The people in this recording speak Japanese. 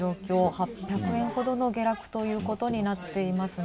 ８００円ほどの下落ということになっていますね。